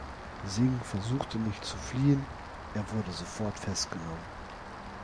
Singh versuchte nicht zu fliehen, er wurde sofort festgenommen.